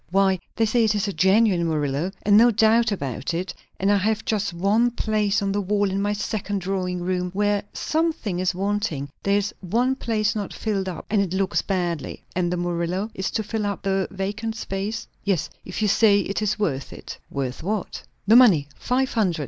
Why, they say it is a genuine Murillo, and no doubt about it; and I have just one place on the wall in my second drawing room, where something is wanting; there is one place not filled up, and it looks badly." "And the Murillo is to fill up the vacant space?" "Yes. If you say it is worth it." "Worth what?" "The money. Five hundred.